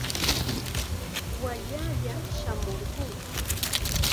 Wallalla shamurquu.